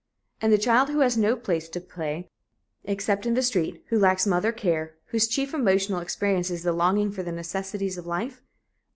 And the child who has no place to play except in the street, who lacks mother care, whose chief emotional experience is the longing for the necessities of life?